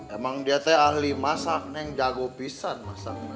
emang dia itu ahli masak jago bisa masak